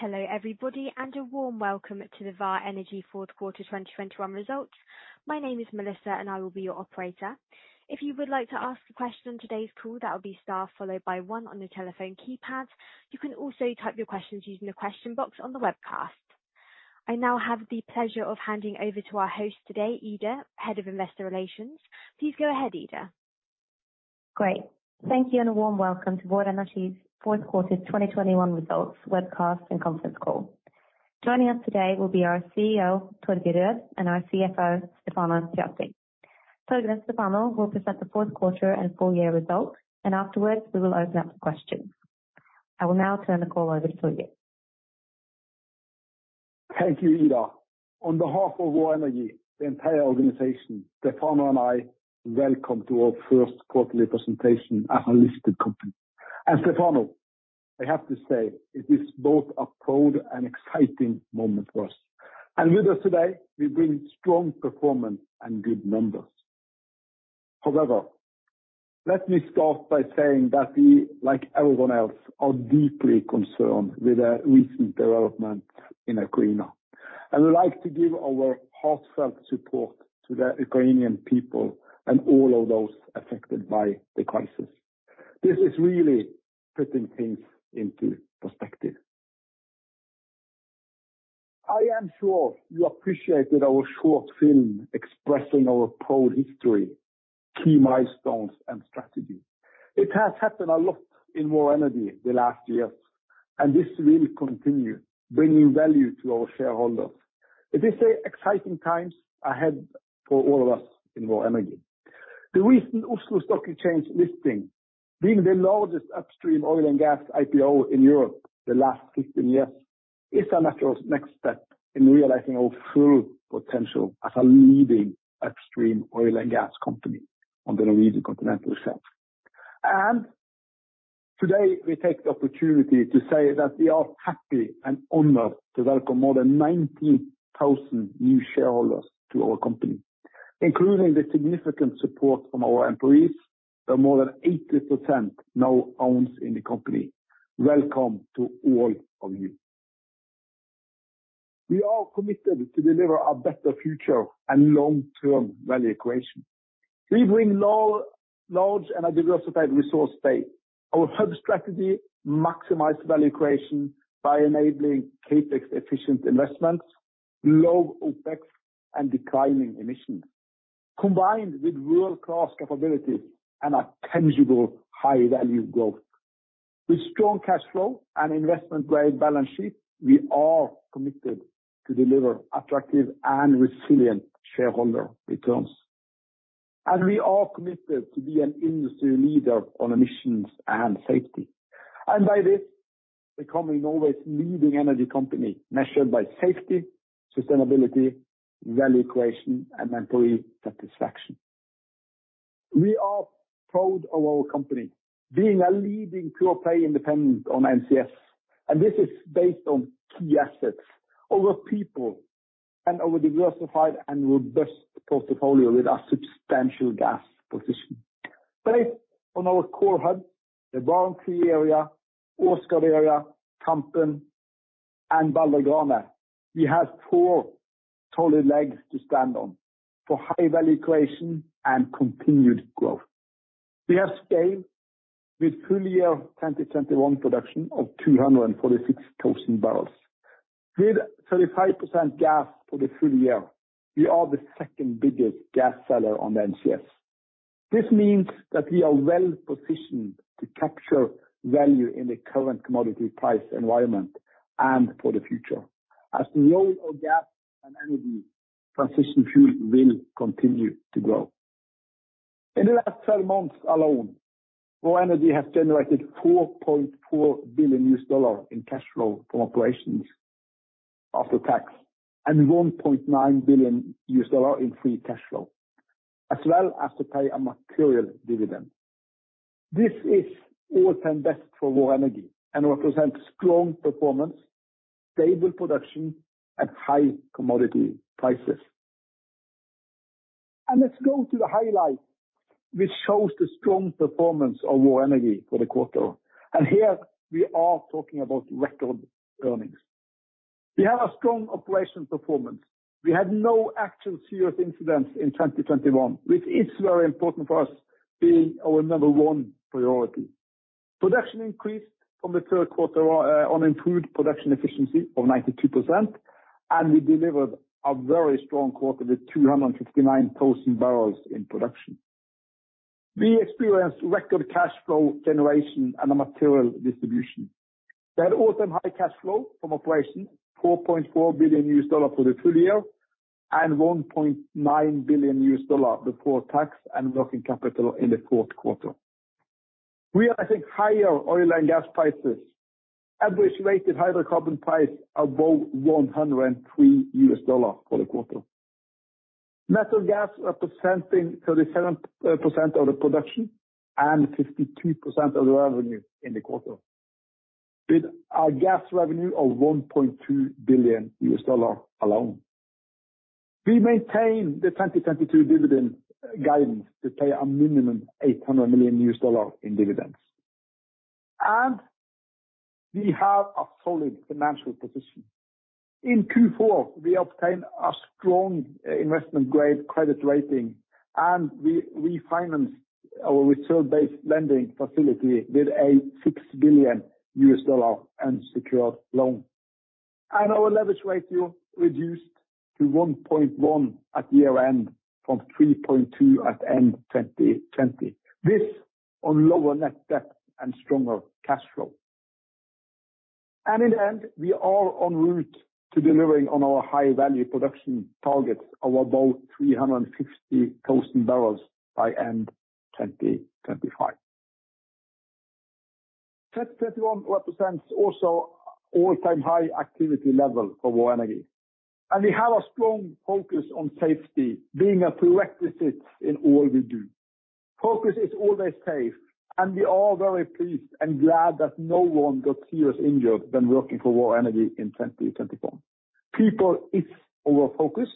Hello everybody and a warm welcome to the Vår Energi fourth quarter 2021 results. My name is Melissa and I will be your operator. If you would like to ask a question on today's call, that will be star followed by one on your telephone keypad. You can also type your questions using the question box on the webcast. I now have the pleasure of handing over to our host today, Ida, Head of Investor Relations. Please go ahead, Ida. Great. Thank you and a warm welcome to Vår Energi's fourth quarter 2021 results webcast and conference call. Joining us today will be our CEO, Torger Rød, and our CFO, Stefano Pujatti. Torger and Stefano will present the fourth quarter and full year results, and afterwards, we will open up to questions. I will now turn the call over to Torger. Thank you, Ida. On behalf of Vår Energi, the entire organization, Stefano and I welcome you to our first quarterly presentation as a listed company. Stefano, I have to say it is both a proud and exciting moment for us. With us today, we bring strong performance and good numbers. However, let me start by saying that we, like everyone else, are deeply concerned with the recent developments in Ukraine. I would like to give our heartfelt support to the Ukrainian people and all of those affected by the crisis. This is really putting things into perspective. I am sure you appreciated our short film expressing our proud history, key milestones, and strategy. It has happened a lot in Vår Energi the last years, and this really continue bringing value to our shareholders. It is an exciting times ahead for all of us in Vår Energi. The recent Oslo Stock Exchange listing, being the largest upstream oil and gas IPO in Europe the last 15 years, is a natural next step in realizing our full potential as a leading upstream oil and gas company on the Norwegian continental shelf. Today we take the opportunity to say that we are happy and honored to welcome more than 90,000 new shareholders to our company, including the significant support from our employees that more than 80% now owns in the company. Welcome to all of you. We are committed to deliver a better future and long-term value creation. We bring large and a diversified resource base. Our hub strategy maximize value creation by enabling CapEx efficient investments, low OpEx and declining emissions, combined with world-class capabilities and a tangible high value growth. With strong cash flow and investment-grade balance sheet, we are committed to deliver attractive and resilient shareholder returns. We are committed to be an industry leader on emissions and safety, and by this becoming Norway's leading energy company measured by safety, sustainability, value creation, and employee satisfaction. We are proud of our company being a leading pure-play independent on NCS, and this is based on key assets, our people and our diversified and robust portfolio with a substantial gas position. Based on our core hub, the Barents Sea area, Åsgard Area, Tampen, and Valhall, Grane, we have four solid legs to stand on for high-value creation and continued growth. We have scale with full year 2021 production of 246,000 bbl. With 35% gas for the full year, we are the second-biggest gas seller on the NCS. This means that we are well-positioned to capture value in the current commodity price environment and for the future as the role of gas and energy transition fuel will continue to grow. In the last 12 months alone, Vår Energi has generated $4.4 billion in cash flow from operations after tax and $1.9 billion in free cash flow, as well as to pay a material dividend. This is all-time best for Vår Energi and represents strong performance, stable production and high commodity prices. Let's go to the highlight which shows the strong performance of Vår Energi for the quarter. Here we are talking about record earnings. We have a strong operation performance. We had no actual serious incidents in 2021, which is very important for us being our number one priority. Production increased from the third quarter on improved production efficiency of 92%, and we delivered a very strong quarter with 259,000 bbl in production. We experienced record cash flow generation and a material distribution. We had all-time high cash flow from operations, $4.4 billion for the full year and $1.9 billion before tax and working capital in the fourth quarter. Realizing higher oil and gas prices, average weighted hydrocarbon price above $103 for the quarter. Natural gas representing 37% of the production and 52% of the revenue in the quarter, with our gas revenue of $1.2 billion alone. We maintain the 2022 dividend guidance to pay a minimum $800 million in dividends. We have a solid financial position. In Q4 we obtained a strong investment grade credit rating, and we financed our reserve-based lending facility with a $6 billion unsecured loan. Our leverage ratio reduced to 1.1 at year-end from 3.2 at end 2020. This on lower net debt and stronger cash flow. In the end, we are en route to delivering on our high-value production targets of about 350,000 bbl by end 2025. 2021 represents also all-time high activity level for Vår Energi, and we have a strong focus on safety being a prerequisite in all we do. Focus is Always Safe, and we are very pleased and glad that no one got seriously injured when working for Vår Energi in 2021. People is our focus,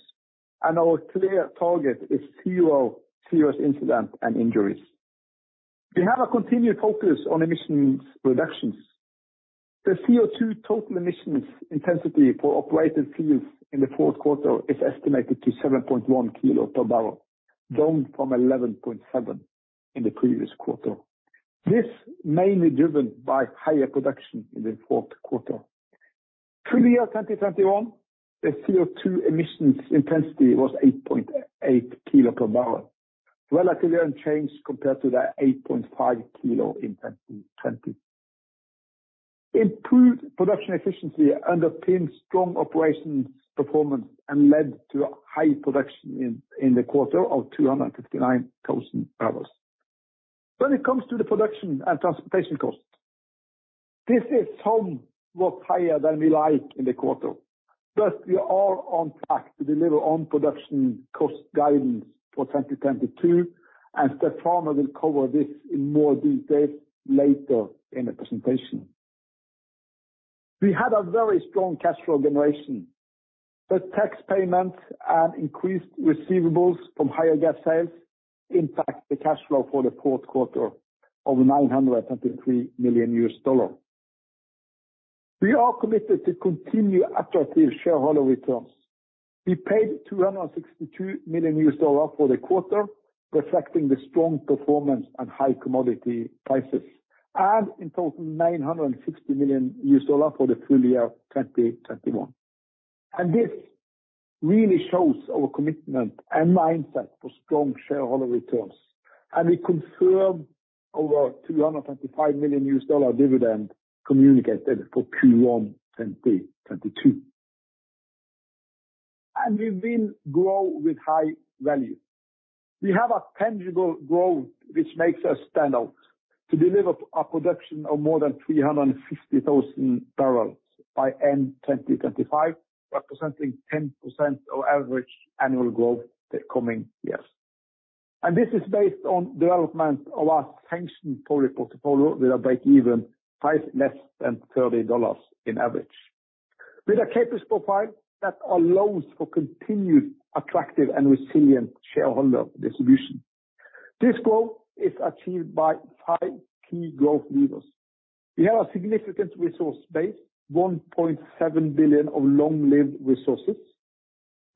and our clear target is zero serious incidents and injuries. We have a continued focus on emissions reductions. The CO₂ total emissions intensity for operated fields in the fourth quarter is estimated to 7.1 kilo pbbl, down from 11.7 in the previous quarter. This mainly driven by higher production in the fourth quarter. Full year 2021, the CO₂ emissions intensity was 8.8 kilo pbbl. Relatively unchanged compared to the 8.5 kilo in 2020. Improved production efficiency underpinned strong operations performance and led to high production in the quarter of 259,000 bbl. When it comes to the production and transportation costs, this is somewhat higher than we like in the quarter. Plus we are on track to deliver on production cost guidance for 2022, and Stefano will cover this in more details later in the presentation. We had a very strong cash flow generation, but tax payments and increased receivables from higher gas sales impact the cash flow for the fourth quarter of $923 million. We are committed to continue attractive shareholder returns. We paid $262 million for the quarter, reflecting the strong performance and high commodity prices. In total, $960 million for the full year 2021. This really shows our commitment and mindset for strong shareholder returns. We confirm our $225 million dividend communicated for Q1 2022. We will grow with high value. We have a tangible growth which makes us stand out to deliver a production of more than 350,000 bbl by end 2025, representing 10% average annual growth the coming years. This is based on development of our sanctioned forward portfolio with a break-even price less than $30 on average. With a CapEx profile that allows for continued attractive and resilient shareholder distribution. This growth is achieved by five key growth levers. We have a significant resource base, 1.7 billion of long-lived resources.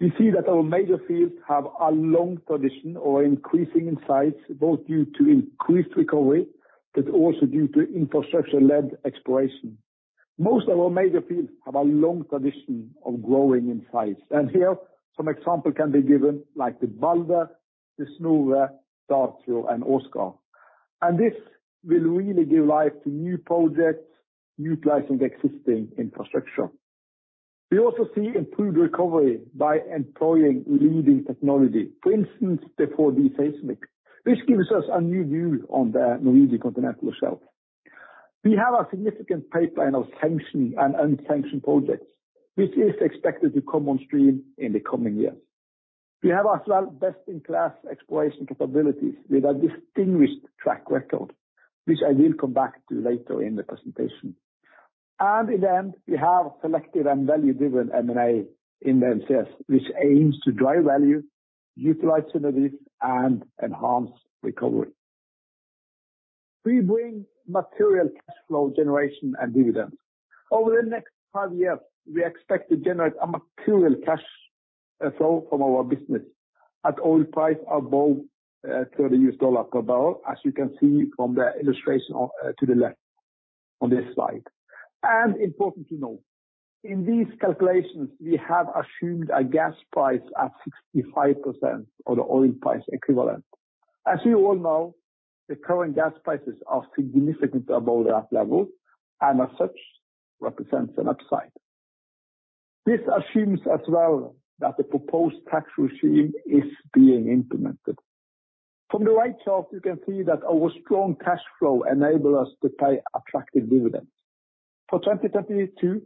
We see that our major fields have a long tradition of increasing in size, both due to increased recovery, but also due to infrastructure-led exploration. Most of our major fields have a long tradition of growing in size. Here some example can be given, like the Valhall, the Snøhvit, Draugen, and Oseberg. This will really give life to new projects utilizing existing infrastructure. We also see improved recovery by employing leading technology. For instance, the 4D seismic. This gives us a new view on the Norwegian continental shelf. We have a significant pipeline of sanctioned and unsanctioned projects, which is expected to come on stream in the coming years. We have as well best-in-class exploration capabilities with a distinguished track record, which I will come back to later in the presentation. In the end, we have selective and value-driven M&A in the NCS, which aims to drive value, utilize synergies, and enhance recovery. We bring material cash flow generation and dividends. Over the next five years, we expect to generate a material cash flow from our business at oil price above $30 pbbl, as you can see from the illustration on to the left on this slide. Important to note, in these calculations, we have assumed a gas price at 65% of the oil price equivalent. As you all know, the current gas prices are significantly above that level, and as such, represents an upside. This assumes as well that the proposed tax regime is being implemented. From the right chart, you can see that our strong cash flow enable us to pay attractive dividends. For 2022,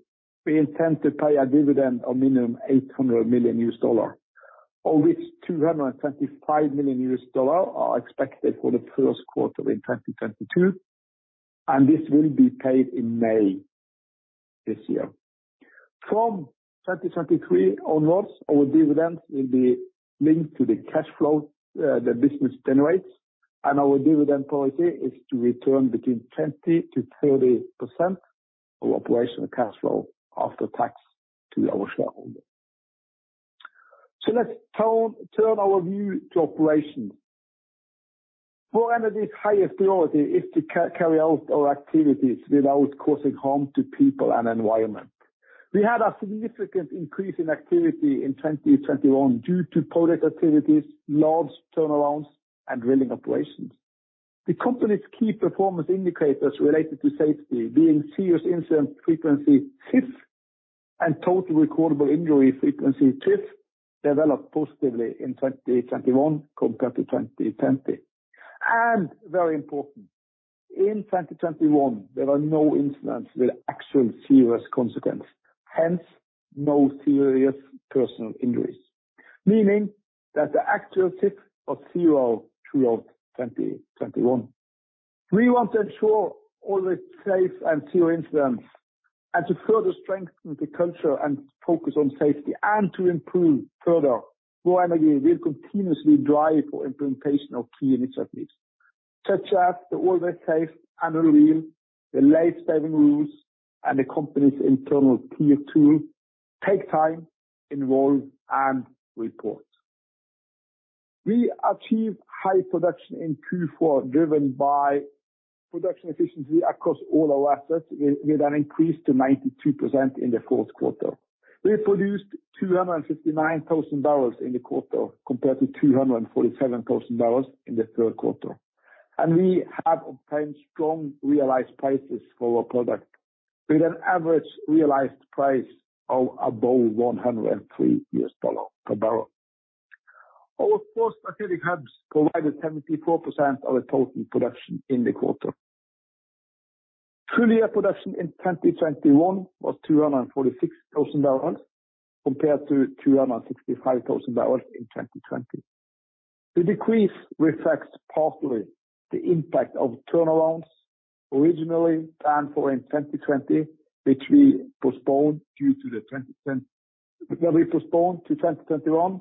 we intend to pay a dividend of minimum $800 million, of which $225 million are expected for the first quarter in 2022, and this will be paid in May this year. From 2023 onwards, our dividends will be linked to the cash flow the business generates. Our dividend policy is to return between 20%-30% of operational cash flow after tax to our shareholders. Let's turn our view to operations. Vår Energi's highest priority is to carry out our activities without causing harm to people and environment. We had a significant increase in activity in 2021 due to production activities, large turnarounds, and drilling operations. The company's key performance indicators related to safety being Serious Incident Frequency, SIF, and Total Recordable Injury Frequency, TRIF, developed positively in 2021 compared to 2020. Very important, in 2021, there were no incidents with actual serious consequence, hence, no serious personal injuries, meaning that the actual SIF was zero throughout 2021. We want to ensure always safe and zero incidents and to further strengthen the culture and focus on safety and to improve further Vår Energi will continuously drive for implementation of key initiatives such as the Always Safe annual wheel, the lifesaving rules, and the company's internal key tool, Take Time, Involve, and Report. We achieved high production in Q4, driven by production efficiency across all our assets with an increase to 92% in the fourth quarter. We produced 259,000 bbl in the quarter, compared to 247,000 bbl in the third quarter. We have obtained strong realized prices for our product with an average realized price of above $103 pbbl. Our four strategic hubs provided 74% of the total production in the quarter. Full year production in 2021 was 246,000 bbl compared to 265,000 bbl in 2020. The decrease reflects partly the impact of turnarounds originally planned for in 2020, which we postponed to 2021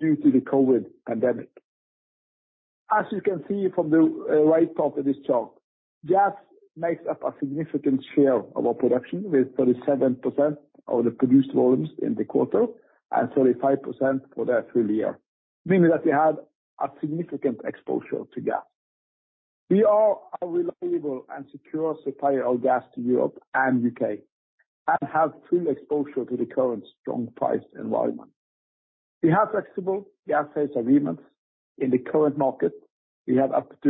due to the COVID pandemic. As you can see from the right top of this chart, gas makes up a significant share of our production with 37% of the produced volumes in the quarter and 35% for the full year, meaning that we had a significant exposure to gas. We are a reliable and secure supplier of gas to Europe and U.K., and have full exposure to the current strong price environment. We have flexible gas-based agreements. In the current market, we have up to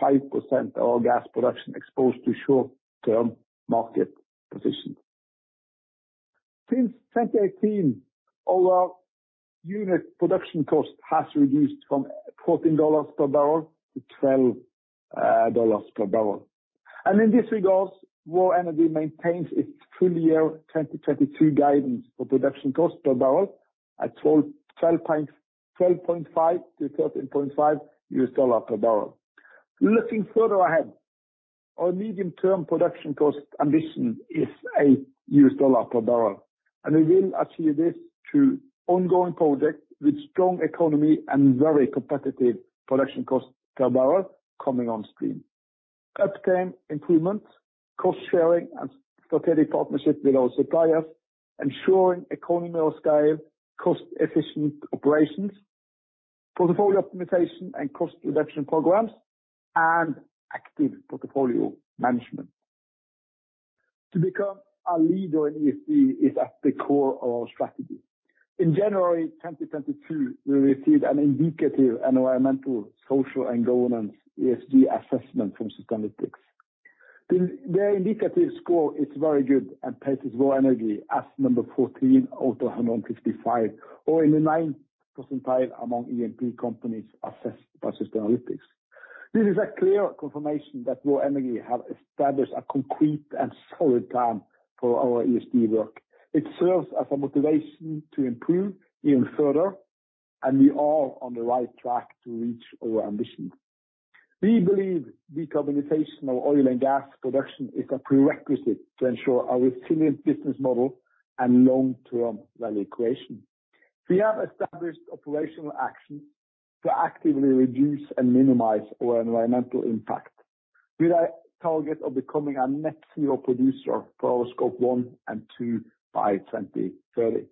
85% of our gas production exposed to short-term market position. Since 2018, our unit production cost has reduced from $14 pbbl to $12 pbbl. In this regards, Vår Energi maintains its full year 2022 guidance for production cost per barrel at $12.5-$13.5 pbbl. Looking further ahead, our medium-term production cost ambition is $8 pbbl, and we will achieve this through ongoing projects with strong economy and very competitive production cost per barrel coming on stream. Upstream improvements, cost sharing and strategic partnership with our suppliers, ensuring economy of scale, cost-efficient operations, portfolio optimization and cost reduction programs, and active portfolio management. To become a leader in ESG is at the core of our strategy. In January 2022, we received an indicative environmental, social, and governance, ESG assessment from Sustainalytics. The indicative score is very good and places Vår Energi as number 14 out of 155 or in the ninth percentile among E&P companies assessed by Sustainalytics. This is a clear confirmation that Vår Energi have established a complete and solid plan for our ESG work. It serves as a motivation to improve even further, and we are on the right track to reach our ambition. We believe decarbonization of oil and gas production is a prerequisite to ensure our resilient business model and long-term value creation. We have established operational action to actively reduce and minimize our environmental impact with a target of becoming a net zero producer for our Scope one and two by 2030.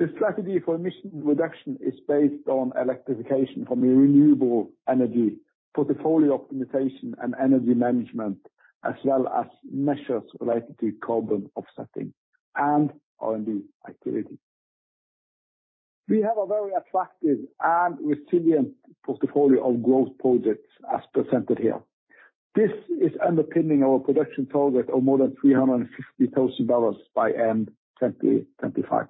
The strategy for emission reduction is based on electrification from a renewable energy, portfolio optimization and energy management, as well as measures related to carbon offsetting and R&D activity. We have a very attractive and resilient portfolio of growth projects as presented here. This is underpinning our production target of more than 350,000 bbl by end 2025.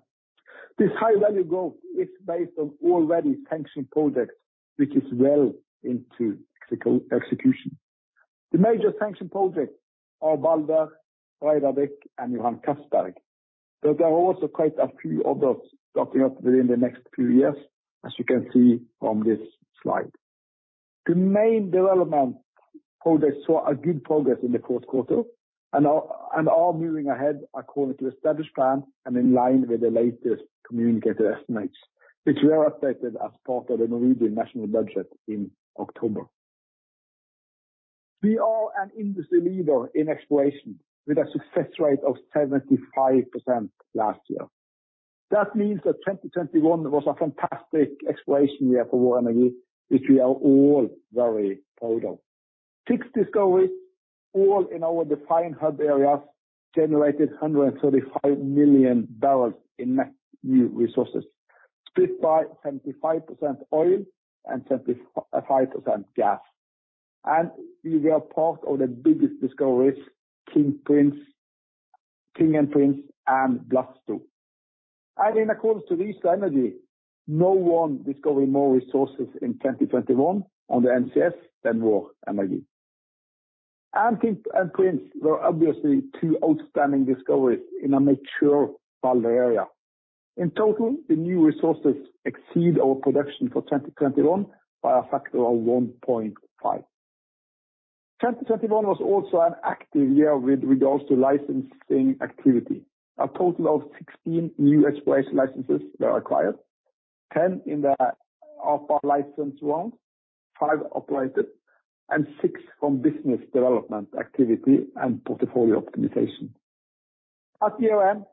This high-value growth is based on already sanctioned projects, which is well into execution. The major sanctioned projects are Balder, Breidablikk, and Johan Castberg. There are also quite a few others starting up within the next few years, as you can see from this slide. The main development projects saw a good progress in the fourth quarter and are moving ahead according to established plan and in line with the latest communicated estimates, which were updated as part of the Norwegian national budget in October. We are an industry leader in exploration with a success rate of 75% last year. That means that 2021 was a fantastic exploration year for Vår Energi, which we are all very proud of. Six discoveries, all in our defined hub areas, generated 135 MMb in net new resources, split by 75% oil and 75% gas. We were part of the biggest discoveries, King, Prince. King and Prince and Gråsel. In accordance to Rystad Energy, no one discovered more resources in 2021 on the NCS than Vår Energi. King and Prince were obviously two outstanding discoveries in a mature value area. In total, the new resources exceed our production for 2021 by a factor of 1.5. 2021 was also an active year with regards to licensing activity. A total of 16 new exploration licenses were acquired, 10 in the APA license round, five operated, and six from business development activity and portfolio optimization. At year-end,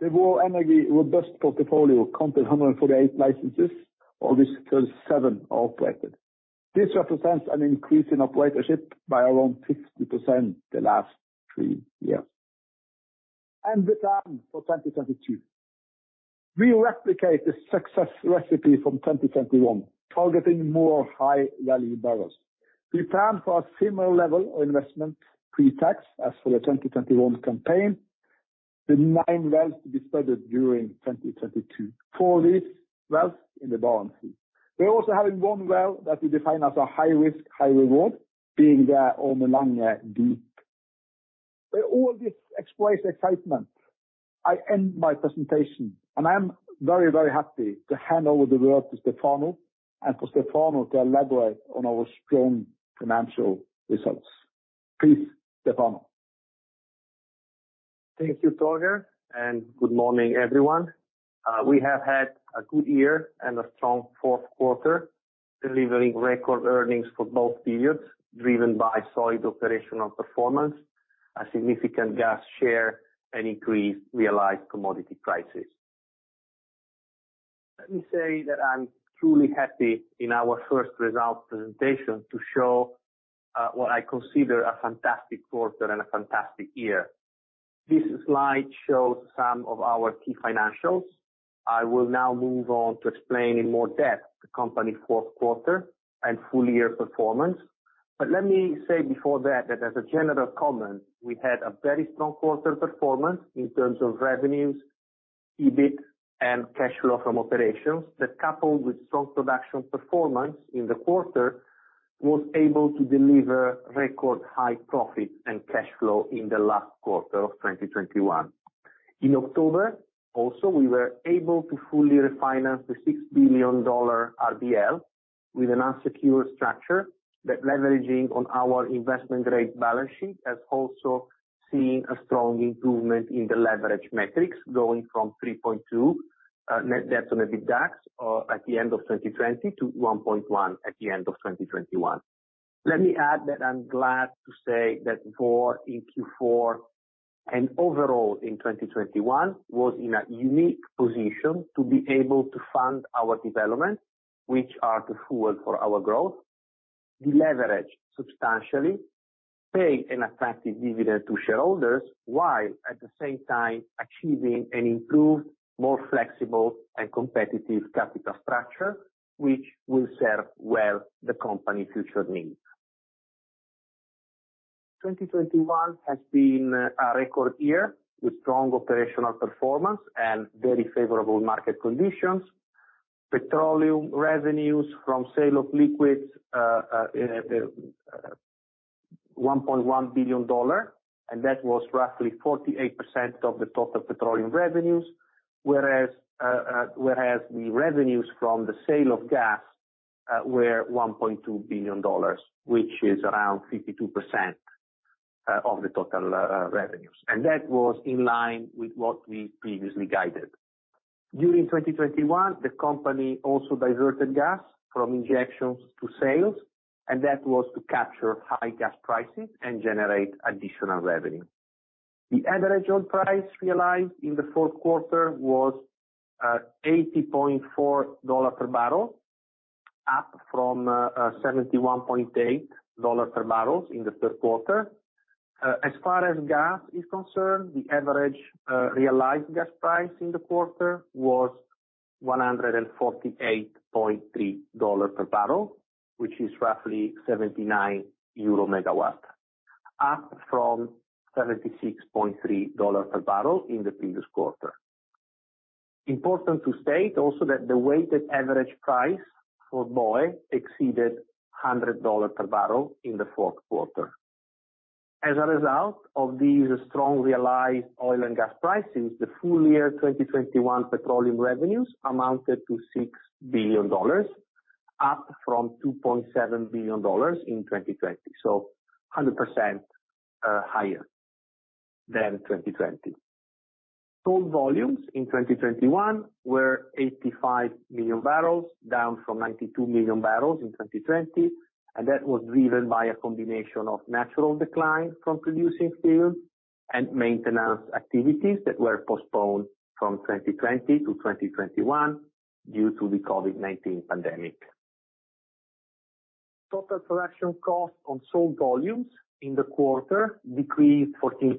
the Vår Energi robust portfolio counted 148 licenses, of which 37 operated. This represents an increase in operatorship by around 50% the last three years. The plan for 2022. We replicate the success recipe from 2021, targeting more high-value barrels. We plan for a similar level of investment pre-tax as for the 2021 campaign, the nine wells to be spudded during 2022. Four of these wells in the Barents Sea. We're also having one well that we define as a high-risk, high-reward, being the Ormen Lange Deep. With all this exploration excitement, I end my presentation, and I am very, very happy to hand over the word to Stefano and for Stefano to elaborate on our strong financial results. Please, Stefano. Thank you, Torger, and good morning, everyone. We have had a good year and a strong fourth quarter, delivering record earnings for both periods, driven by solid operational performance, a significant gas share, and increased realized commodity prices. Let me say that I'm truly happy in our first results presentation to show what I consider a fantastic quarter and a fantastic year. This slide shows some of our key financials. I will now move on to explain in more depth the company fourth quarter and full-year performance. Let me say before that as a general comment, we had a very strong quarter performance in terms of revenues, EBIT, and cash flow from operations, that coupled with strong production performance in the quarter, was able to deliver record high profit and cash flow in the last quarter of 2021. In October, also, we were able to fully refinance the $6 billion RBL with an unsecured structure that leveraging on our investment-grade balance sheet has also seen a strong improvement in the leverage metrics, going from 3.2 net debt to EBITDAX at the end of 2020 to 1.1 at the end of 2021. Let me add that I'm glad to say that Vår in Q4 and overall in 2021 was in a unique position to be able to fund our development, which are the fuel for our growth, deleverage substantially, pay an attractive dividend to shareholders, while at the same time achieving an improved, more flexible and competitive capital structure, which will serve well the company future needs. 2021 has been a record year with strong operational performance and very favorable market conditions. Petroleum revenues from sale of liquids, $1.1 billion, and that was roughly 48% of the total petroleum revenues, whereas the revenues from the sale of gas were $1.2 billion, which is around 52% of the total revenues. That was in line with what we previously guided. During 2021, the company also diverted gas from injections to sales, and that was to capture high gas prices and generate additional revenue. The average oil price realized in the fourth quarter was $80.4 pbbl, up from $71.8 pbbl in the third quarter. As far as gas is concerned, the average realized gas price in the quarter was $148.3 pbbl, which is roughly 79 EUR/MWh, up from $76.3 pbbl in the previous quarter. Important to state also that the weighted average price for oil exceeded $100 pbbl in the fourth quarter. As a result of these strong realized oil and gas prices, the full year 2021 petroleum revenues amounted to $6 billion, up from $2.7 billion in 2020. 100% higher than 2020. Sold volumes in 2021 were 85 MMbbl, down from 92 MMbbl in 2020, and that was driven by a combination of natural decline from producing fields and maintenance activities that were postponed from 2020 to 2021 due to the COVID-19 pandemic. Total production costs on sold volumes in the quarter decreased 14%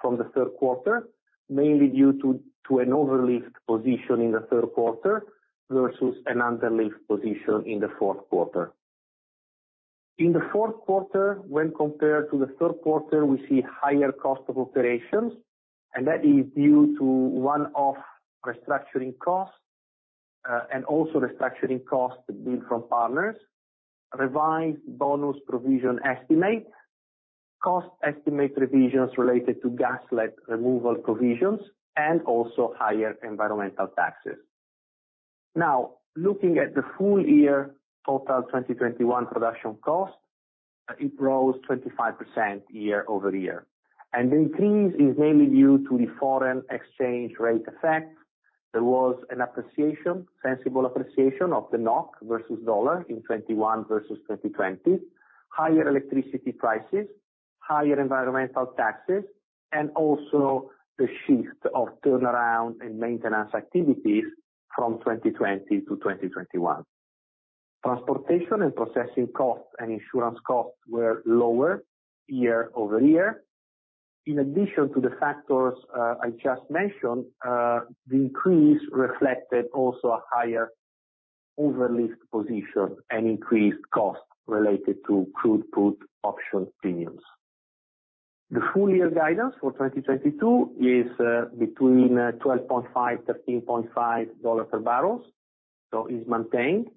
from the third quarter, mainly due to an over-lift position in the third quarter versus an under-lift position in the fourth quarter. In the fourth quarter, when compared to the third quarter, we see higher cost of operations, and that is due to one-off restructuring costs, and also restructuring costs billed from partners, revised bonus provision estimates, cost estimate revisions related to gas lift removal provisions, and also higher environmental taxes. Now, looking at the full year total 2021 production costs, it rose 25% year-over-year. The increase is mainly due to the foreign exchange rate effect. There was an appreciation, sensible appreciation of the NOK versus dollar in 2021 versus 2020, higher electricity prices, higher environmental taxes, and also the shift of turnaround and maintenance activities from 2020 to 2021. Transportation and processing costs and insurance costs were lower year-over-year. In addition to the factors I just mentioned, the increase reflected also a higher over-lift position and increased costs related to crude put option premiums. The full year guidance for 2022 is between $12.5-$13.5 pbbl, so it is maintained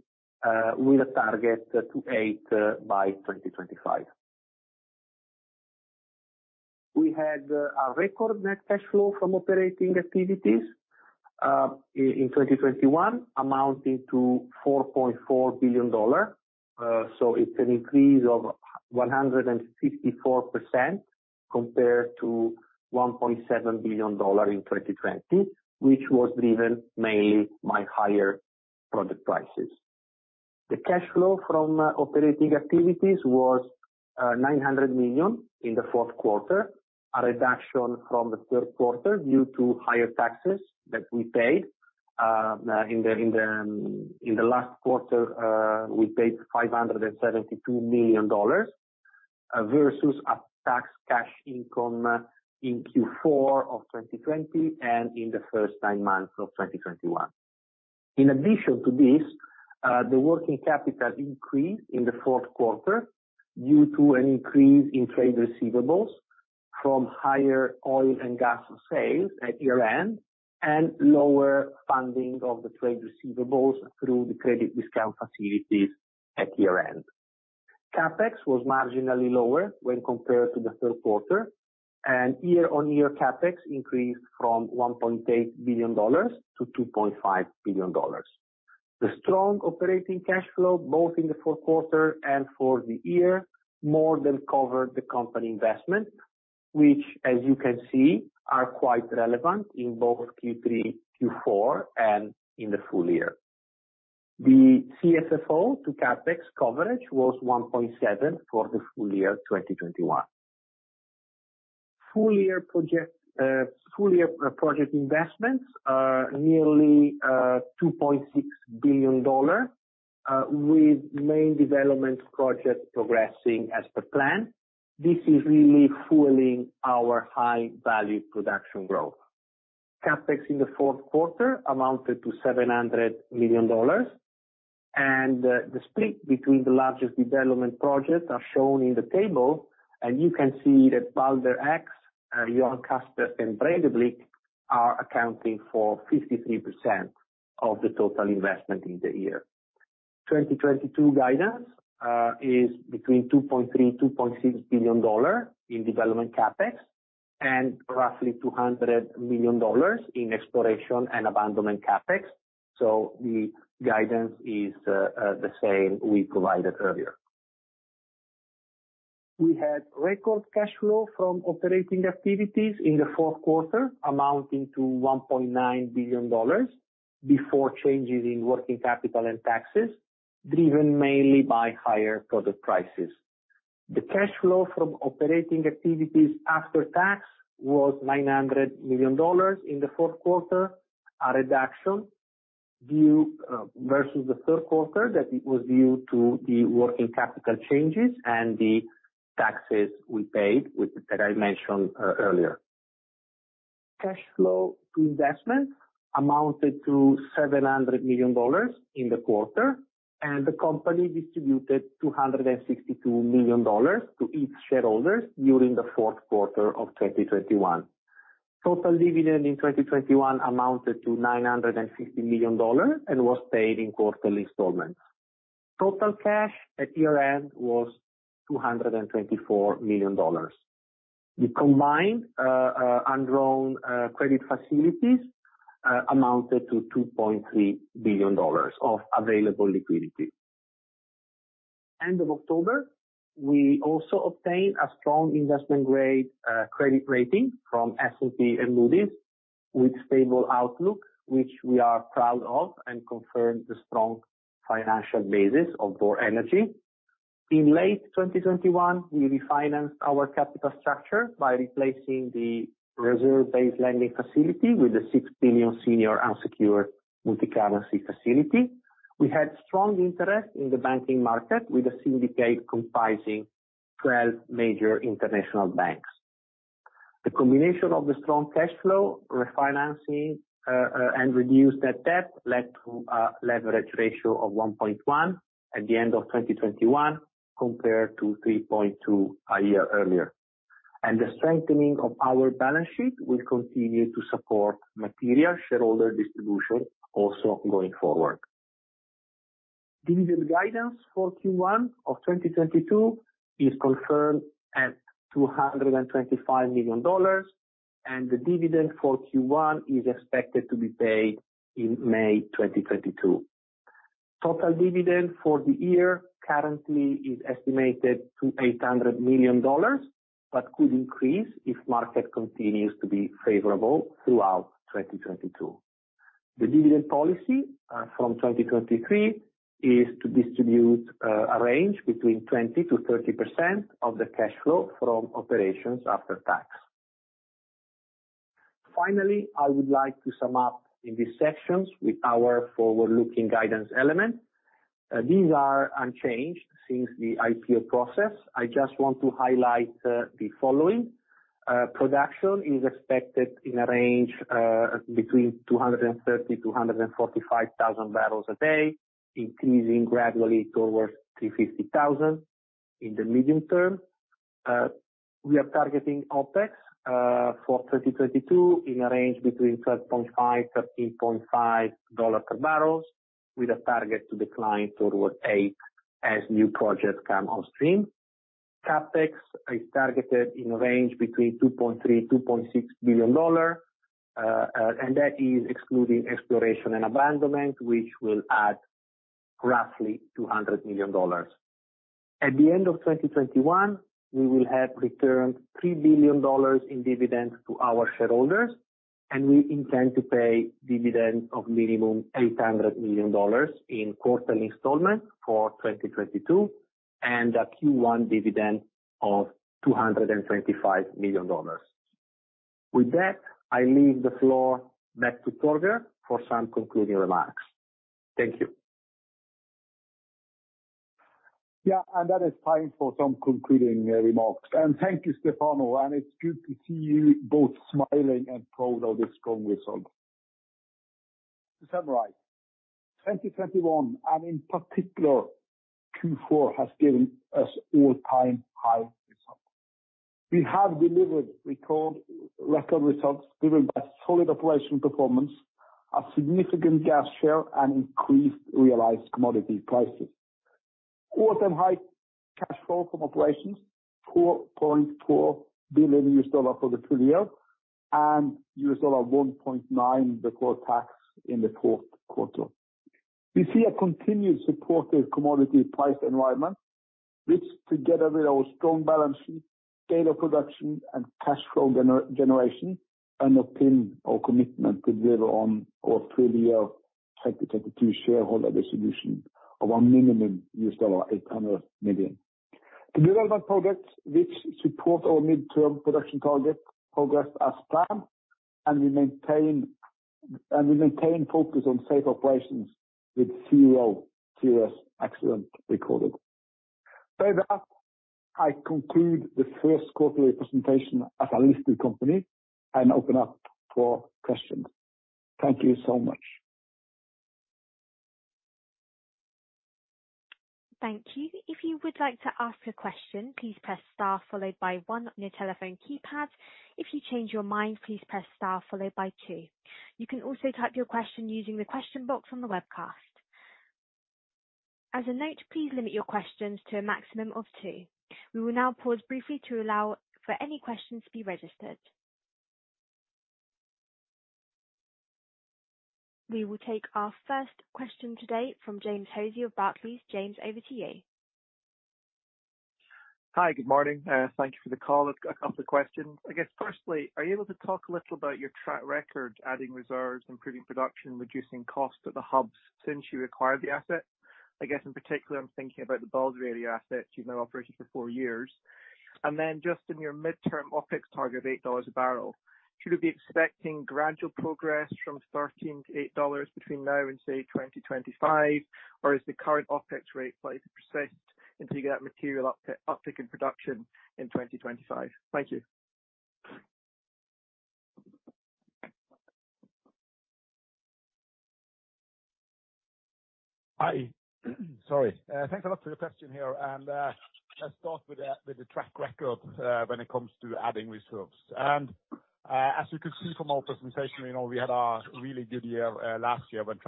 with a target to $8 by 2025. We had a record net cash flow from operating activities in 2021 amounting to $4.4 billion, so it's an increase of 154% compared to $1.7 billion in 2020, which was driven mainly by higher product prices. The cash flow from operating activities was $900 million in the fourth quarter, a reduction from the third quarter due to higher taxes that we paid in the last quarter. We paid $572 million versus a tax cash income in Q4 of 2020 and in the first nine months of 2021. In addition to this, the working capital increased in the fourth quarter due to an increase in trade receivables from higher oil and gas sales at year-end and lower funding of the trade receivables through the credit discount facilities at year-end. CapEx was marginally lower when compared to the third quarter, and year-on-year CapEx increased from $1.8 billion-$2.5 billion. The strong operating cash flow, both in the fourth quarter and for the year, more than covered the company investment, which as you can see, are quite relevant in both Q3, Q4, and in the full year. The CFFO to CapEx coverage was 1.7 for the full year 2021. Full year project investments are nearly $2.6 billion, with main development projects progressing as per plan. This is really fueling our high value production growth. CapEx in the fourth quarter amounted to $700 million, and the split between the largest development projects are shown in the table, and you can see that Valhall X, Johan Sverdrup, and Breidablikk are accounting for 53% of the total investment in the year. 2022 guidance is between $2.3-$2.6 billion in development CapEx and roughly $200 million in exploration and abandonment CapEx. The guidance is the same we provided earlier. We had record cash flow from operating activities in the fourth quarter, amounting to $1.9 billion before changes in working capital and taxes, driven mainly by higher product prices. The cash flow from operating activities after tax was $900 million in the fourth quarter, a reduction versus the third quarter due to the working capital changes and the taxes we paid that I mentioned earlier. Cash flow to investment amounted to $700 million in the quarter, and the company distributed $262 million to each shareholder during the fourth quarter of 2021. Total dividend in 2021 amounted to $950 million and was paid in quarterly installments. Total cash at year-end was $224 million. The combined undrawn credit facilities amounted to $2.3 billion of available liquidity. End of October, we also obtained a strong investment grade credit rating from S&P and Moody's with stable outlook, which we are proud of and confirms the strong financial basis of Vår Energi. In late 2021, we refinanced our capital structure by replacing the reserve-based lending facility with the $6 million senior unsecured multi-currency facility. We had strong interest in the banking market with a syndicate comprising 12 major international banks. The combination of the strong cash flow refinancing and reduced net debt led to a leverage ratio of 1.1 at the end of 2021 compared to 3.2 a year earlier. The strengthening of our balance sheet will continue to support material shareholder distribution also going forward. Dividend guidance for Q1 of 2022 is confirmed at $225 million, and the dividend for Q1 is expected to be paid in May 2022. Total dividend for the year currently is estimated to $800 million, but could increase if market continues to be favorable throughout 2022. The dividend policy from 2023 is to distribute a range between 20%-30% of the cash flow from operations after tax. Finally, I would like to sum up in this section with our forward-looking guidance elements. These are unchanged since the IPO process. I just want to highlight the following. Production is expected in a range between 230,000-245,000 bpd, increasing gradually towards 350,000 in the medium term. We are targeting OpEx for 2022 in a range between $13.5 pbbl, with a target to decline towards $8 as new projects come on stream. CapEx is targeted in a range between $2.3 billion-$2.6 billion, and that is excluding exploration and abandonment, which will add roughly $200 million. At the end of 2021, we will have returned $3 billion in dividends to our shareholders, and we intend to pay dividends of minimum $800 million in quarterly installments for 2022 and a Q1 dividend of $225 million. With that, I leave the floor back to Torger for some concluding remarks. Thank you. Yeah. Then it's time for some concluding remarks. Thank you, Stefano, and it's good to see you both smiling and proud of this strong result. To summarize, 2021, and in particular Q4, has given us all-time high results. We have delivered record results driven by solid operational performance, a significant gas share, and increased realized commodity prices. All-time high cash flow from operations, $4.4 billion for the full year, and $1.9 billion before tax in the fourth quarter. We see a continued supportive commodity price environment, which together with our strong balance sheet, scale of production, and cash flow generation, and our firm commitment to deliver on our three-year 2022 shareholder distribution of a minimum $800 million. The development projects which support our midterm production target progressed as planned, and we maintain focus on safe operations with zero serious accident recorded. With that, I conclude the first quarterly presentation as a listed company and open up for questions. Thank you so much. We will take our first question today from James Hosie of Barclays. James, over to you. Hi. Good morning. Thank you for the call. I've got a couple of questions. I guess, firstly, are you able to talk a little about your track record, adding reserves, improving production, reducing costs at the hubs since you acquired the asset? I guess in particular, I'm thinking about the Balder area asset you've now operated for 4 years. Then just in your midterm OpEx target of $8 pbbl, should we be expecting gradual progress from $13 to $8 between now and say 2025? Or is the current OpEx rate likely to persist until you get that material uptick in production in 2025? Thank you. Hi. Sorry. Thanks a lot for your question here. Let's start with the track record when it comes to adding reserves. As you can see from our presentation, you know, we had a really good year last year when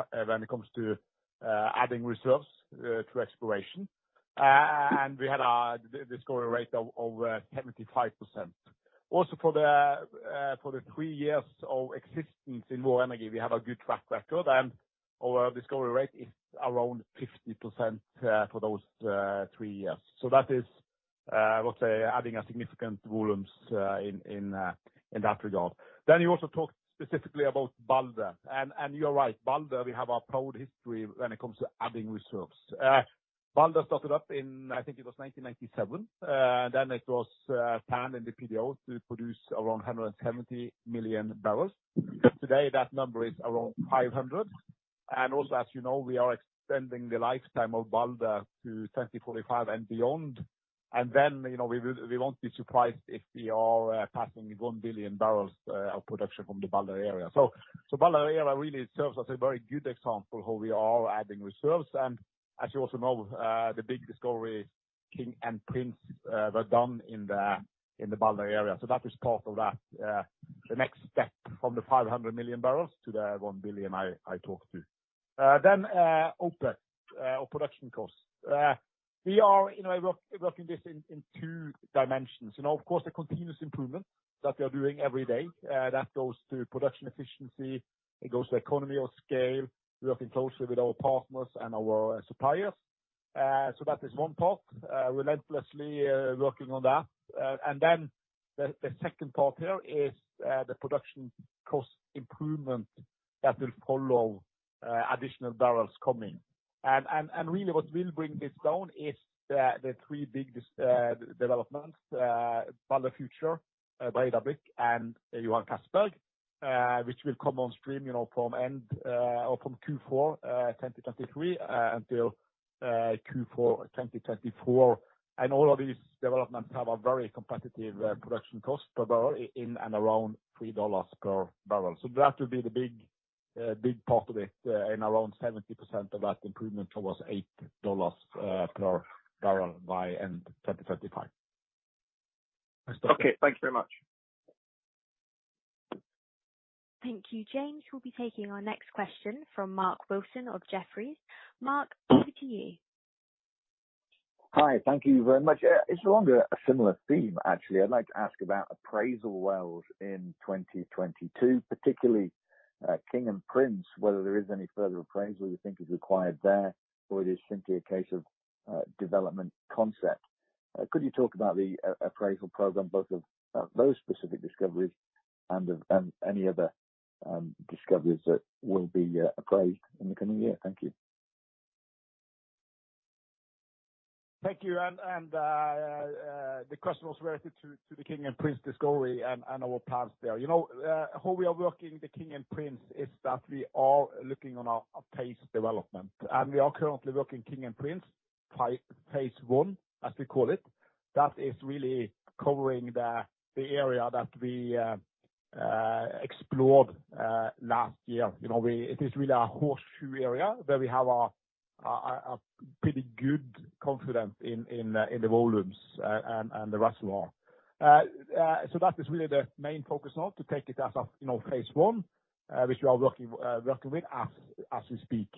it comes to adding reserves through exploration. We had a discovery rate of 75%. Also for the three years of existence in Vår Energi, we have a good track record and our discovery rate is around 50% for those three years. That is, let's say, adding a significant volumes in that regard. You also talked specifically about Balder. You're right, Balder, we have a proud history when it comes to adding reserves. Balder started up in, I think it was 1997, then it was planned in the PDO to produce around 170 MMbbl. Today, that number is around 500. As you know, we are extending the lifetime of Balder to 2045 and beyond. You know, we won't be surprised if we are passing 1 Bbbl of production from the Balder area. Balder area really serves as a very good example how we are adding reserves. As you also know, the big discovery, King and Prince, were done in the Balder area. That is part of that, the next step from the 500 MMbbl to the 1 Bbbl I talked to. OpEx or production costs. We are, you know, working this in two dimensions. You know, of course, the continuous improvement that we are doing every day, that goes to production efficiency. It goes to economy of scale, working closely with our partners and our suppliers. That is one part, relentlessly working on that. The second part here is the production cost improvement that will follow additional barrels coming. Really what will bring this down is the three big developments, Balder Future, Breidablikk, and Johan Castberg, which will come on stream, you know, from Q4 2023 until Q4 2024. All of these developments have a very competitive production cost per barrel in and around $3 pbbl. That will be the big part of it, and around 70% of that improvement towards $8 pbbl by end 2035. Okay. Thank you very much. Thank you, James. We'll be taking our next question from Mark Wilson of Jefferies. Mark, over to you. Hi. Thank you very much. It's along a similar theme, actually. I'd like to ask about appraisal wells in 2022, particularly, King and Prince, whether there is any further appraisal you think is required there or it is simply a case of development concept. Could you talk about the appraisal program, both of those specific discoveries and any other discoveries that will be appraised in the coming year? Thank you. Thank you. The question was related to the King and Prince discovery and our plans there. You know, how we are working the King and Prince is that we are looking on a phased development, and we are currently working King and Prince phase one, as we call it. That is really covering the area that we explored last year. You know, it is really a horseshoe area where we have a pretty good confidence in the volumes and the reservoir. So that is really the main focus now to take it as a phase one, which we are working with as we speak.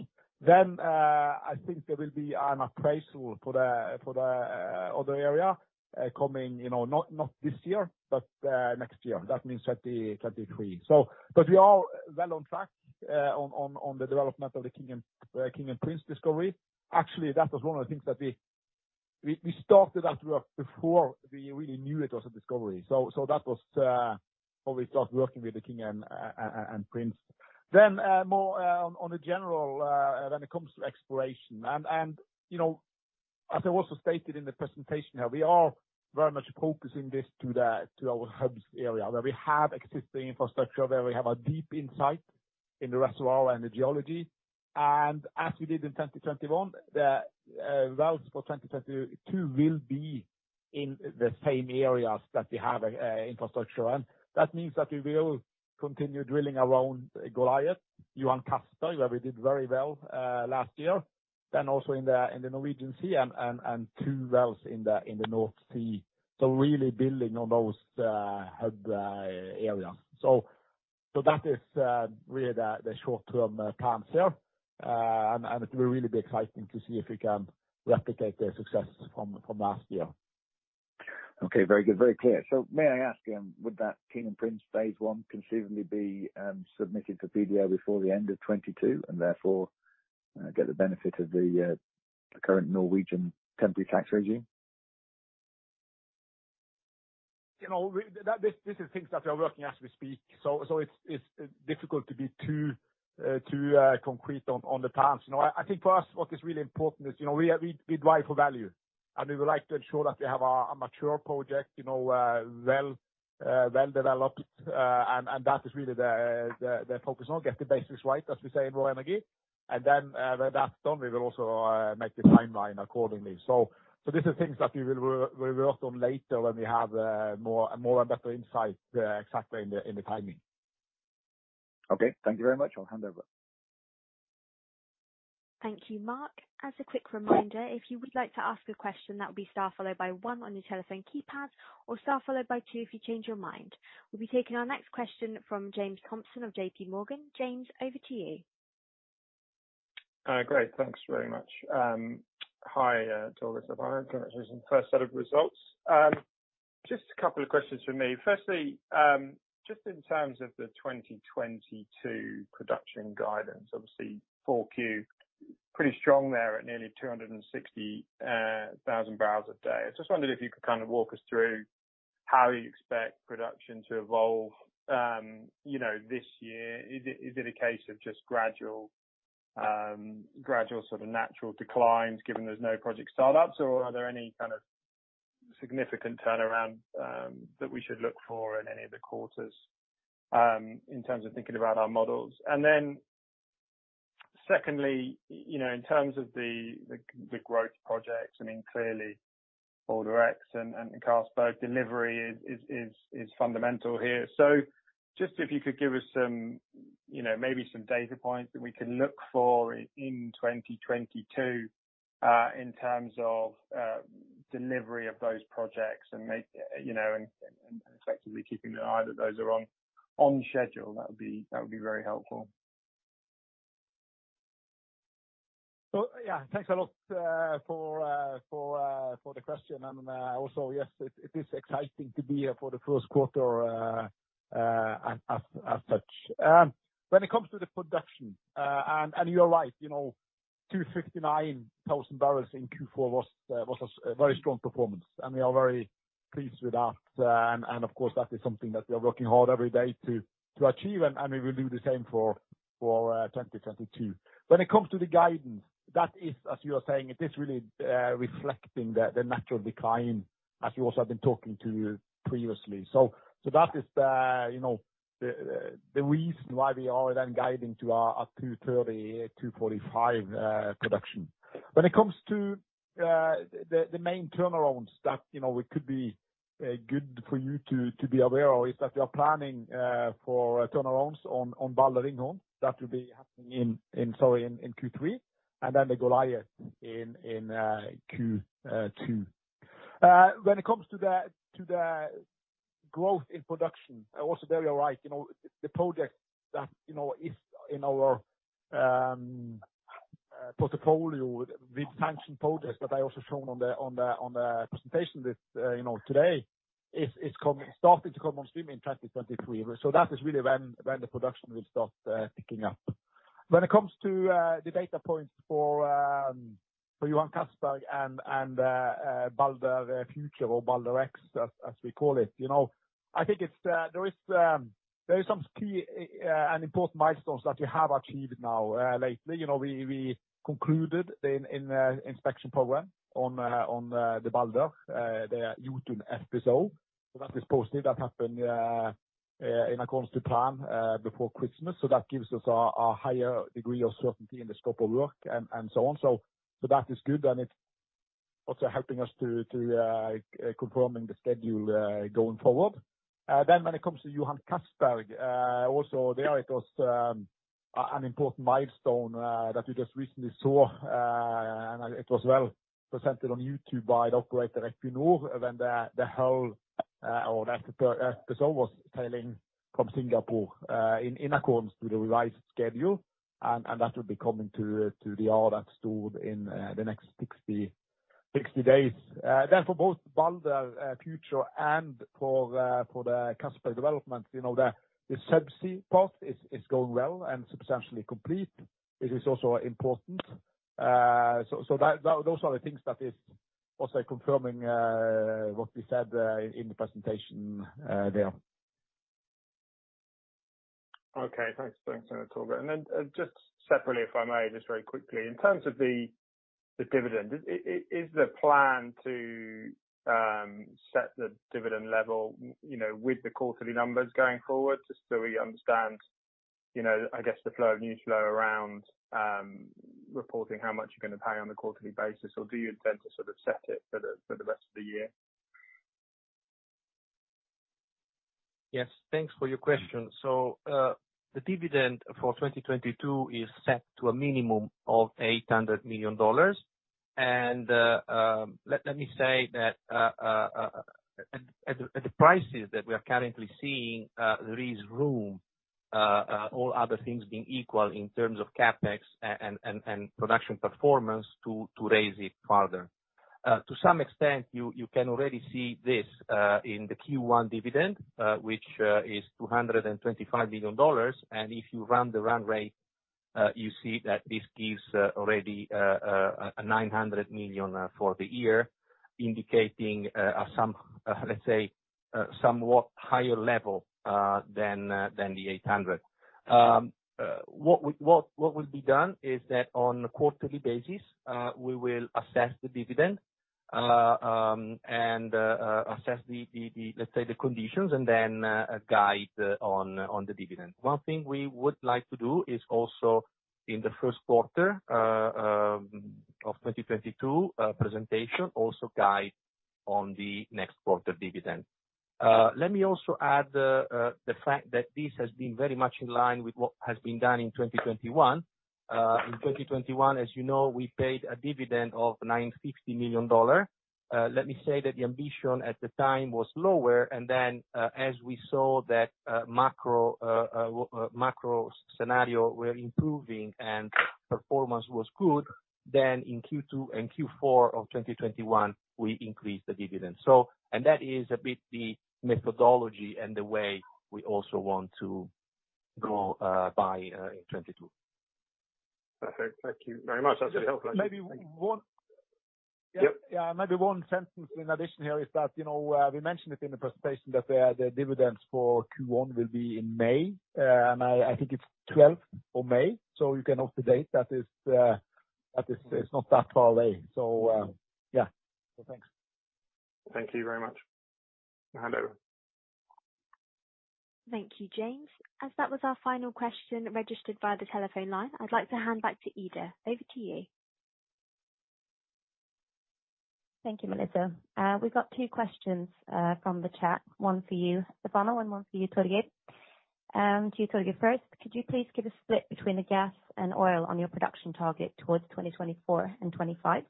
I think there will be an appraisal for the other area coming, you know, not this year, but next year. That means 2023. But we are well on track on the development of the King and Prince discovery. Actually, that was one of the things that we started that work before we really knew it was a discovery. So that was how we started working with the King and Prince. More on the general when it comes to exploration. You know, as I also stated in the presentation here, we are very much focusing this to our hubs area, where we have existing infrastructure, where we have a deep insight in the reservoir and the geology. As we did in 2021, the wells for 2022 will be in the same areas that we have infrastructure in. That means that we will continue drilling around Goliat, Johan Castberg where we did very well last year. Also in the Norwegian Sea and two wells in the North Sea. Really building on those hub areas. That is really the short-term plans there. It will really be exciting to see if we can replicate the success from last year. Okay, very good. Very clear. May I ask you, would that King and Prince phase one conceivably be submitted to PDO before the end of 2022 and therefore get the benefit of the current Norwegian temporary tax regime? You know, these are things that we are working as we speak. It's difficult to be too concrete on the plans. You know, I think for us what is really important is, you know, we drive for value and we would like to ensure that we have a mature project, you know, well-developed, and that is really the focus on get the basics right, as we say in Vår Energi. When that's done, we will also make the timeline accordingly. These are things that we will rework on later when we have more and better insight exactly into the timing. Okay. Thank you very much. I'll hand over. Thank you, Mark. As a quick reminder, if you would like to ask a question, that would be star followed by one on your telephone keypad, or star followed by two if you change your mind. We'll be taking our next question from James Thompson of JPMorgan. James, over to you. Great. Thanks very much. Hi, Torger and Stefano. Congratulations on the first set of results. Just a couple of questions from me. Firstly, just in terms of the 2022 production guidance, obviously 4Q, pretty strong there at nearly 260,000 bpd. I just wondered if you could kind of walk us through how you expect production to evolve, you know, this year. Is it a case of just gradual sort of natural declines given there's no project startups? Or are there any kind of significant turnaround that we should look for in any of the quarters, in terms of thinking about our models? You know, in terms of the growth projects, I mean, clearly Balder X and Castberg delivery is fundamental here. Just if you could give us some, you know, maybe some data points that we can look for in 2022, in terms of delivery of those projects and effectively keeping an eye that those are on schedule. That would be very helpful. Yeah. Thanks a lot for the question. Also, yes, it is exciting to be here for the first quarter as such. When it comes to the production and you are right, you know, 259,000 bbl in Q4 was a very strong performance, and we are very pleased with that. Of course, that is something that we are working hard every day to achieve, and we will do the same for 2022. When it comes to the guidance, that is, as you are saying, it is really reflecting the natural decline, as you also have been talking to previously. That is the, you know, the reason why we are then guiding to a 230-245 production. When it comes to the main turnarounds that you know we could be good for you to be aware of is that we are planning for turnarounds on Balder/Ringhorne. That will be happening in Q3, and then the Goliat in Q2. When it comes to the growth in production, also there you're right. You know, the project that you know is in our portfolio with sanctioned projects that I also shown on the presentation this you know today is starting to come on stream in 2023. That is really when the production will start picking up. When it comes to the data points for Johan Castberg and Balder Future or Balder X as we call it, you know, I think there is some key and important milestones that we have achieved now lately. You know, we concluded an inspection program on the Balder, the Jotun FPSO. So that is positive. That happened in accordance to plan before Christmas. So that gives us a higher degree of certainty in the scope of work and so on. So that is good, and it's also helping us to confirm the schedule going forward. When it comes to Johan Castberg, also there it was an important milestone that we just recently saw. It was well presented on YouTube by the operator Equinor when the whole vessel was sailing from Singapore in accordance to the revised schedule. That will be coming to the Stord in the next 60 days. Therefore, both Balder Future and for the Johan Castberg development, you know, the subsea part is going well and substantially complete. This is also important. Those are the things that is also confirming what we said in the presentation there. Okay. Thanks. Thanks, Torger. Just separately, if I may, just very quickly. In terms of the dividend, is the plan to set the dividend level, you know, with the quarterly numbers going forward? Just so we understand, you know, I guess the flow of news flow around reporting how much you're gonna pay on a quarterly basis, or do you intend to sort of set it for the rest of the year? Yes. Thanks for your question. The dividend for 2022 is set to a minimum of $800 million. Let me say that at the prices that we are currently seeing, there is room, all other things being equal in terms of CapEx and production performance to raise it further. To some extent, you can already see this in the Q1 dividend, which is $225 million. If you run the run rate, you see that this gives already $900 million for the year, indicating some, let's say, somewhat higher level than the $800 million. What would be done is that on a quarterly basis, we will assess the dividend and assess, let's say, the conditions and then guide on the dividend. One thing we would like to do is also in the first quarter of 2022 presentation also guide on the next quarter dividend. Let me also add the fact that this has been very much in line with what has been done in 2021. In 2021, as you know, we paid a dividend of $950 million. Let me say that the ambition at the time was lower and then, as we saw that macro scenario we're improving and performance was good, then in Q2 and Q4 of 2021, we increased the dividend. That is a bit the methodology and the way we also want to go by in 2022. Okay, thank you very much. That's helpful. Maybe one- Yep. Yeah. Maybe one sentence in addition here is that, you know, we mentioned it in the presentation that the dividends for Q1 will be in May. I think it's 12th of May, so you can update. That is not that far away. Yeah. Thanks. Thank you very much. Hand over. Thank you, James. As that was our final question registered via the telephone line, I'd like to hand back to Ida. Over to you. Thank you, Melissa. We've got two questions from the chat. One for you, Stefano, and one for you, Torger. To you, Torger, first. Could you please give a split between the gas and oil on your production target towards 2024 and 2025?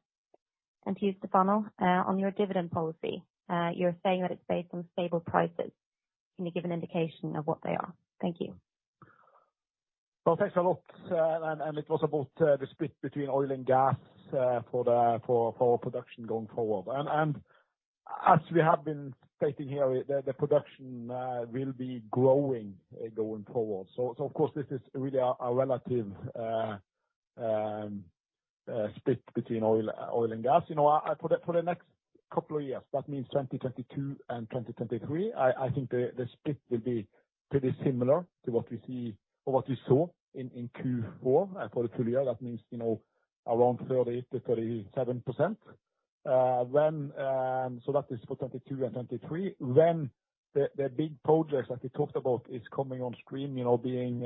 And to you, Stefano, on your dividend policy, you're saying that it's based on stable prices. Can you give an indication of what they are? Thank you. Well, thanks a lot. It was about the split between oil and gas for production going forward. As we have been stating here, the production will be growing going forward. Of course, this is really a relative split between oil and gas. You know, for the next couple of years, that means 2022 and 2023, I think the split will be pretty similar to what we see or what we saw in Q4. For the full year, that means you know, around 30%-37%. That is for 2022 and 2023. When the big projects that we talked about is coming on stream, you know, being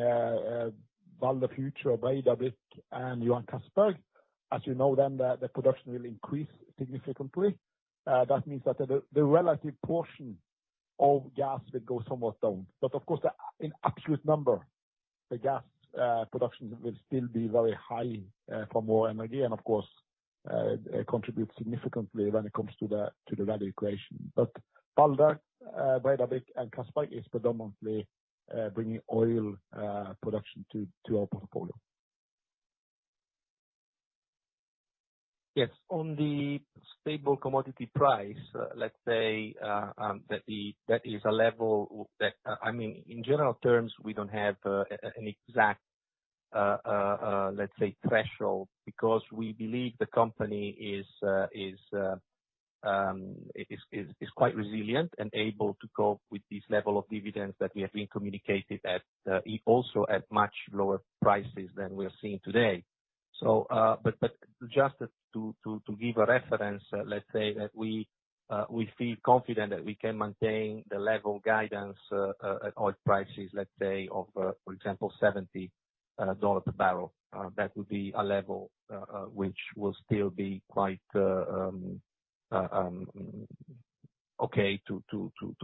Valhall Future, Breidablikk, and Johan Castberg. As you know, the production will increase significantly. That means that the relative portion of gas will go somewhat down. Of course in absolute number, the gas production will still be very high for Vår Energi, and of course contribute significantly when it comes to the value equation. Valhall, Breidablikk, and Johan Castberg is predominantly bringing oil production to our portfolio. Yes. On the stable commodity price, let's say, that is a level. I mean, in general terms, we don't have an exact, let's say, threshold, because we believe the company is quite resilient and able to cope with this level of dividends that we have been communicating, also at much lower prices than we are seeing today. Just to give a reference, let's say that we feel confident that we can maintain the level guidance at oil prices, let's say of, for example, $70 pbbl. That would be a level which will still be quite okay to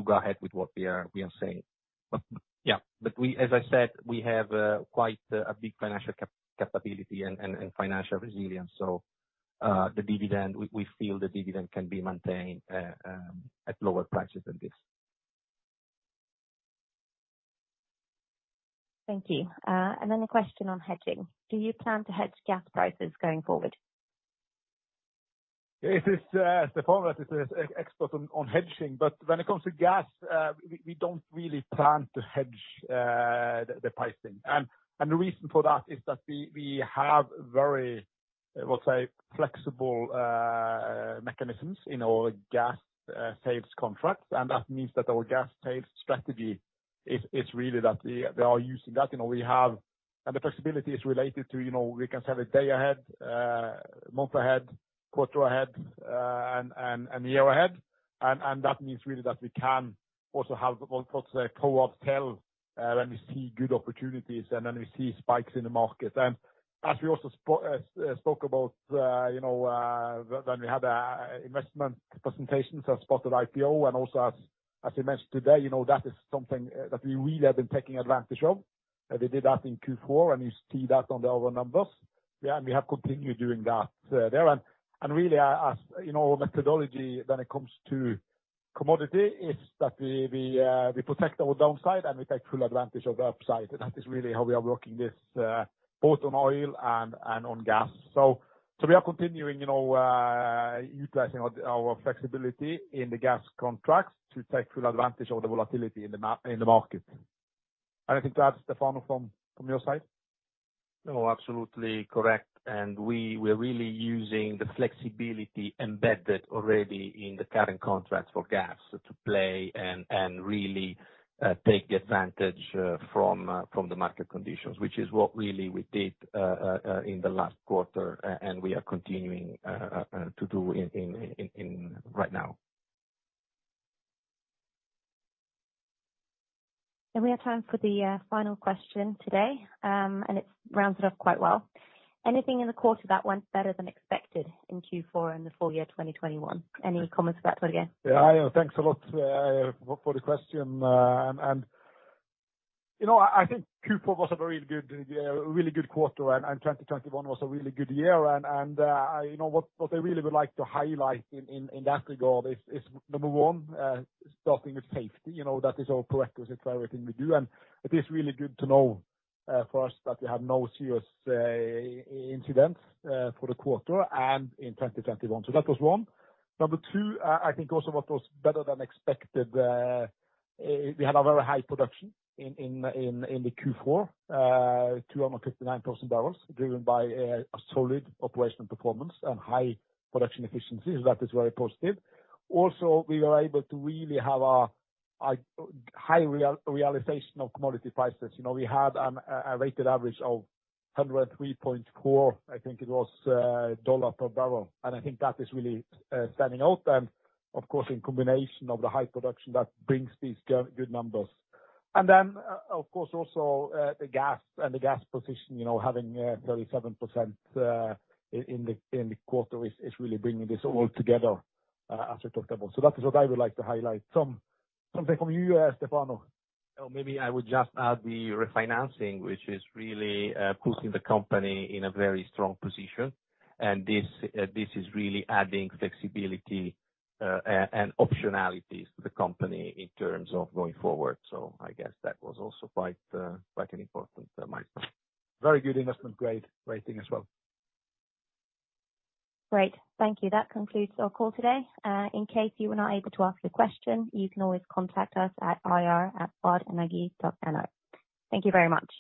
go ahead with what we are saying. Yeah. We, as I said, we have quite a big financial capability and financial resilience, so the dividend, we feel the dividend can be maintained at lower prices than this. Thank you. A question on hedging. Do you plan to hedge gas prices going forward? This is Stefano. This is the expert on hedging. When it comes to gas, we don't really plan to hedge the pricing. The reason for that is that we have very, let's say, flexible mechanisms in our gas sales contracts, and that means that our gas sales strategy is really that we are using that flexibility. You know, we can sell a day ahead, a month ahead, quarter ahead, and year ahead. That means really that we can also have, what's it called, spot sell, when we see good opportunities and when we see spikes in the market. As we also spoke about, you know, when we had our investment presentations at post-IPO and also as we mentioned today, you know, that is something that we really have been taking advantage of. We did that in Q4, and you see that on our numbers. Yeah, we have continued doing that, there. Really, our methodology when it comes to commodity is that we protect our downside and we take full advantage of the upside. That is really how we are working this, both on oil and on gas. We are continuing, you know, utilizing our flexibility in the gas contracts to take full advantage of the volatility in the market. Anything to add, Stefano, from your side? No, absolutely correct. We are really using the flexibility embedded already in the current contracts for gas to play and really take advantage from the market conditions, which is what really we did in the last quarter, and we are continuing to do it right now. We have time for the final question today, and it rounds it off quite well. Anything in the quarter that went better than expected in Q4 and the full year 2021? Any comments about that again? Yeah, I know. Thanks a lot for the question. You know, I think Q4 was a really good quarter, and I think what I really would like to highlight in that regard is number one, starting with safety. You know, that is our prerequisite for everything we do, and it is really good to know for us that we have no serious incidents for the quarter and in 2021. That was one. Number two, I think also what was better than expected, we had a very high production in the Q4. 259,000 bbl, driven by a solid operational performance and high production efficiencies. That is very positive. Also, we were able to really have a high realization of commodity prices. You know, we had a weighted average of $103.4 pbbl. I think that is really standing out. Of course, in combination with the high production, that brings these good numbers. Then, of course, also the gas position, you know, having 37% in the quarter is really bringing this all together as we talked about. That is what I would like to highlight. Something from you, Stefano? Oh, maybe I would just add the refinancing, which is really putting the company in a very strong position. This is really adding flexibility and optionalities to the company in terms of going forward. I guess that was also quite an important milestone. Very good investment grade rating as well. Great. Thank you. That concludes our call today. In case you were not able to ask your question, you can always contact us at ir@varenergi.no. Thank you very much.